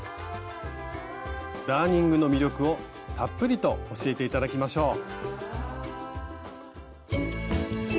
ダーニングの魅力をたっぷりと教えて頂きましょう。